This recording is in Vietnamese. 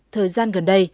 thời gian gần đây